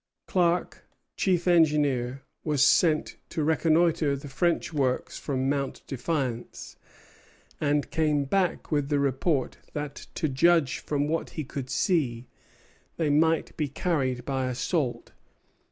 Clerk, chief engineer, was sent to reconnoitre the French works from Mount Defiance; and came back with the report that, to judge from what he could see, they might be carried by assault.